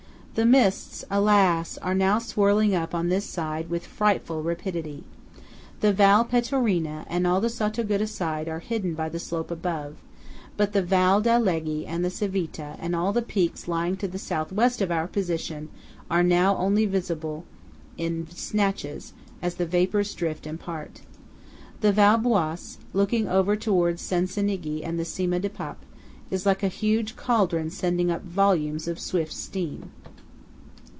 The mists, alas! are now swirling up on this side with frightful rapidity. The Val Pettorina and all the Sottoguda side are hidden by the slope above; but the Val d'Alleghe, the Civita, and all the peaks lying to the South West of our position are now visible only in snatches, as the vapours drift and part. The Val Biois, looking over towards Cencenighe and the Cima di Pape, is like a huge caldron sending up volumes of swift steam.